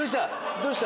どうした？